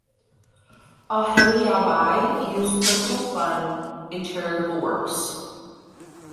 Ahilyabai used personal fund in charitable works.